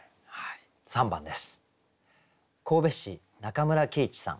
３番です。